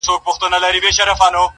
ډېر شتمن دئ تل سمسوره او ښېراز دئ،